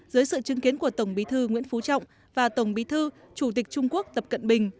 dưới sự chứng kiến của tổng bí thư nguyễn phú trọng và tổng bí thư chủ tịch trung quốc tập cận bình